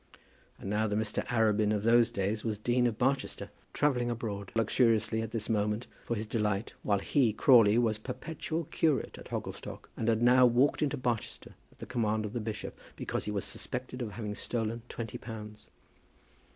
And now the Mr. Arabin of those days was Dean of Barchester, travelling abroad luxuriously at this moment for his delight, while he, Crawley, was perpetual curate at Hogglestock, and had now walked into Barchester at the command of the bishop, because he was suspected of having stolen twenty pounds!